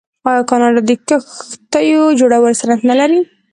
آیا کاناډا د کښتیو جوړولو صنعت نلري؟